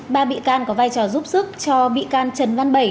ba bị can có vai trò giúp sức cho bị can trần văn bảy